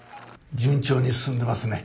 順調に進んでますね。